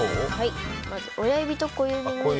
まず、親指と小指に。